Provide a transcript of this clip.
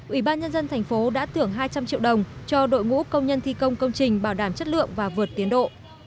ủy ban nhân dân thành phố đã thưởng hai trăm linh triệu đồng cho đội ngũ công nhân thi công công trình bảo đảm chất lượng và vượt tiến độ